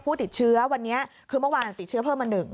ผู้ติดเชื้อวันนี้คือเมื่อวานติดเชื้อเพิ่มมา๑